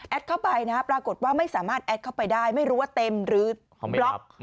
เข้าไปนะปรากฏว่าไม่สามารถแอดเข้าไปได้ไม่รู้ว่าเต็มหรือบล็อก